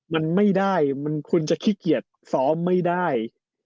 มันไม่ได้มันคุณจะขี้เกียจซ้อมไม่ได้